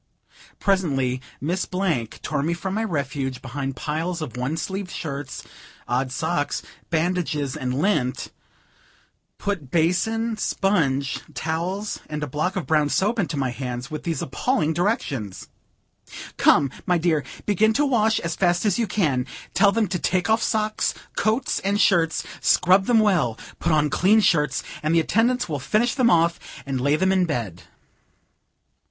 Presently, Miss Blank tore me from my refuge behind piles of one sleeved shirts, odd socks, bandages and lint; put basin, sponge, towels, and a block of brown soap into my hands, with these appalling directions: "Come, my dear, begin to wash as fast as you can. Tell them to take off socks, coats and shirts, scrub them well, put on clean shirts, and the attendants will finish them off, and lay them in bed."